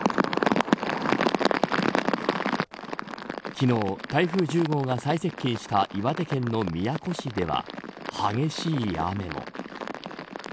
昨日、台風１０号が最接近した岩手県の宮古市では激しい雨も。